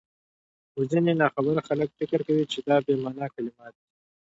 خو ځيني ناخبره خلک فکر کوي چي دا بې مانا کلمات دي،